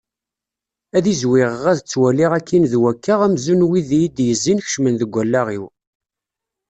Ad izwiɣeɣ ad ttwaliɣ akkin d wakka amzun wid iyi-d-yezzin kecmen deg wallaɣ-iw.